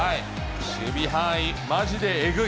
守備範囲、まじでえぐい。